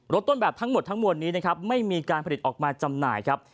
ต้นแบบทั้งหมดทั้งมวลนี้นะครับไม่มีการผลิตออกมาจำหน่ายครับ